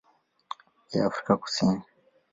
ya Afrika Kusini.